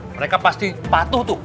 mereka pasti patuh tuh